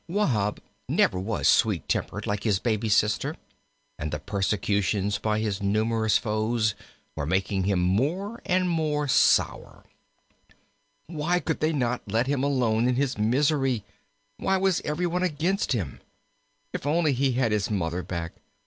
IV Wahb never was sweet tempered like his baby sister, and the persecutions by his numerous foes were making him more and more sour. Why could not they let him alone in his misery? Why was every one against him? If only he had his Mother back!